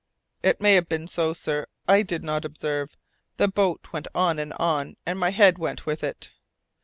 "It may have been so, sir; I did not observe. The boat went on and on, and my head went with it."